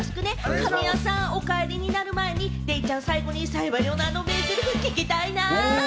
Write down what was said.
神谷さん、お帰りになる前にデイちゃん、最後にあの冴羽リョウの名ゼリフ聞きたいな。